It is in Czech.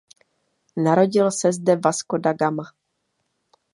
Narodil se zde Vasco da Gama.